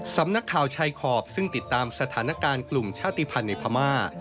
สำนักข่าวชายขอบซึ่งติดตามสถานการณ์กลุ่มชาติภัณฑ์ในพม่า